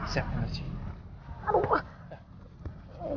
siap siap aja ini